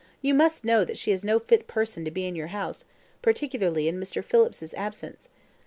"You must know that she is no fit person to be in your house, particularly in Mr. Phillips's absence.